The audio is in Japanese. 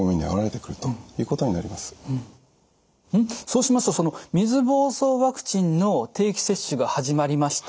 そうしますと水ぼうそうワクチンの定期接種が始まりました。